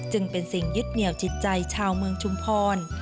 จึงเป็นสิ่งยึดเหนียวจิตใจชาวเมืองชุมพร